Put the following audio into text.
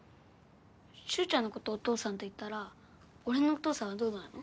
脩ちゃんのことお父さんと言ったら俺のお父さんはどうなるの？